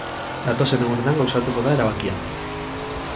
Datozen egunetan gauzatuko da erabakia.